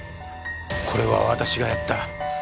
これは私がやった。